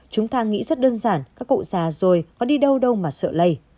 chúng ta nghĩ rất đơn giản các cụ già rồi có đi đâu đâu mà sợ lây